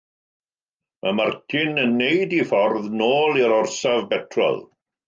Mae Martin yn gwneud ei ffordd yn ôl i'r orsaf betrol.